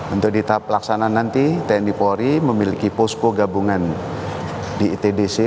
untuk di tahap pelaksanaan nanti tni polri memiliki posko gabungan di itdc